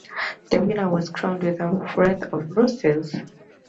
The winner was crowned with a wreath of roses.